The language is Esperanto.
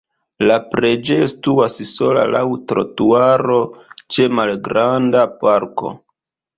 La preĝejo situas sola laŭ trotuaro ĉe malgranda parko.